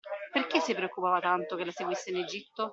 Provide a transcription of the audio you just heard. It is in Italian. Perché si preoccupava tanto che la seguisse in Egitto?